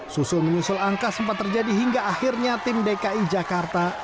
susul menyusul angka sempat terjadi hingga akhirnya tim dki jakarta